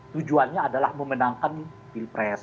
tujuannya adalah memenangkan pilpres